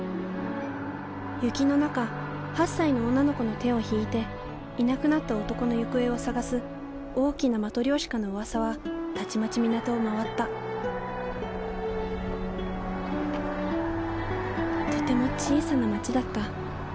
雪の中８歳の女の子の手を引いていなくなった男の行方を捜す大きなマトリョーシカのうわさはたちまち港を回ったとても小さな街だった。